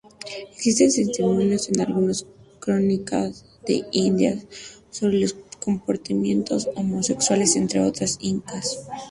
Existen testimonios de algunos cronistas de Indias sobre los comportamientos homosexuales entre los incas.